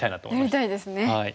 やりたいですね。